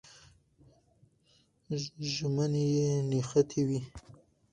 ژامنې یې نښتې وې.